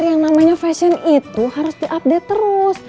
yang namanya fashion itu harus diupdate terus